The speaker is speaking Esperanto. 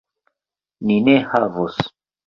Ni ne havos!